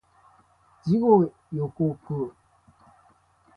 次号予告